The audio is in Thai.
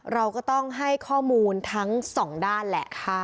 เราก็ต้องให้ข้อมูลทั้งสองด้านแหละค่ะ